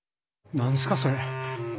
何ですかそれ！？